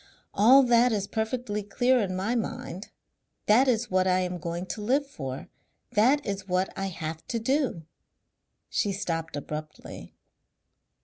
"All that is perfectly clear in my mind. That is what I am going to live for; that is what I have to do." She stopped abruptly.